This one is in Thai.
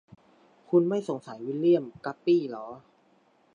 คุณไม่สงสัยวิลเลี่ยม กัปปี้หรอ ?